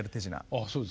ああそうですか。